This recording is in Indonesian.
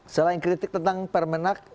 selain kritik tentang permenak